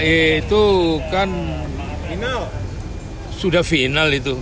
itu kan sudah final itu